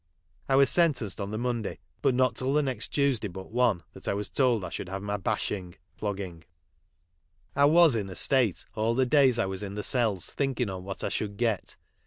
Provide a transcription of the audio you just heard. I was sentenced on the Mondav, and it was not till the next Tuesday but one that I was told I should have my 1 bashing ' (flogging). I was in a state all the davs I was in the cells thinking on what I should get.